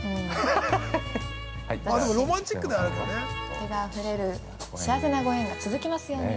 ◆笑顔あふれる幸せなご縁が続きますように。